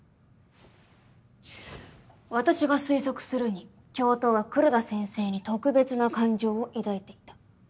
私が推測するに教頭は黒田先生に特別な感情を抱いていた。